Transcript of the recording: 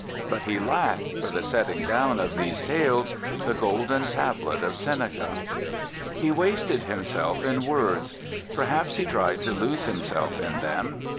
... But he lacked, for the setting down of these tales, the golden tablet of Seneca. He wasted himself in words; perhaps he tried to lose himself in them.